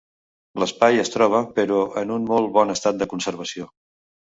L'espai es troba però en un molt bon estat de conservació.